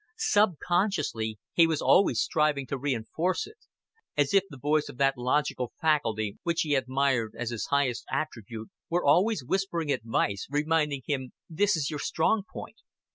Subconsciously he was always striving to reinforce it; as if the voice of that logical faculty which he admired as his highest attribute were always whispering advice, reminding him: "This is your strong point.